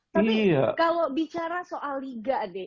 tapi kalau bicara soal liga deh